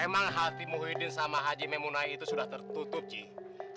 emang hati muhyiddin sama haji memonai itu sudah tertutup sih